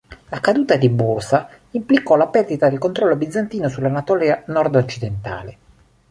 La caduta di Bursa implicò la perdita del controllo bizantino sull'Anatolia nordoccidentale.